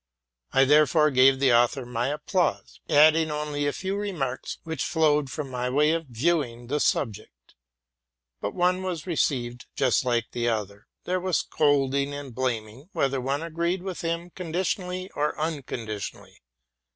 I therefore gave the author my applause, adding only a few remarks which flowed from my way of viewing the subject. But one was received just like the other: there was scolding and blaming whether one agreed with him conditionally or unconditionally.